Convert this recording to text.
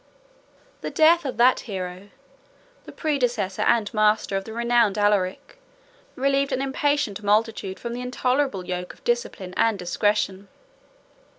The death of that hero, the predecessor and master of the renowned Alaric, relieved an impatient multitude from the intolerable yoke of discipline and discretion.